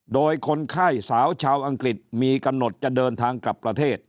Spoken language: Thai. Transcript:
โดยคนไข้สาวชาวอังกฤษมีกำหนดจะเดินทางกลับประเทศ